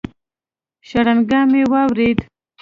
شرنگا مې واورېد.